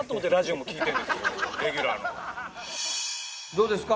どうですか？